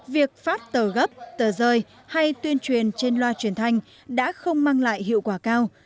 việc phát tờ gấp tờ rơi hay tuyên truyền trên loa truyền thanh đã không mang lại hiệu quả cao